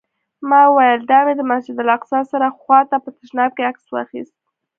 ما وویل: دا مې د مسجداالاقصی سره خوا ته په تشناب کې عکس واخیست.